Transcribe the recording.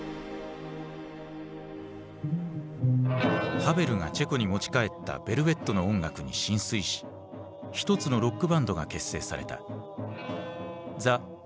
ハヴェルがチェコに持ち帰ったヴェルヴェットの音楽に心酔し一つのロックバンドが結成された。